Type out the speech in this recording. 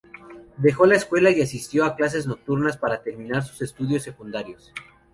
Dejó la escuela y asistió a clases nocturnas para terminar sus estudios secundarios.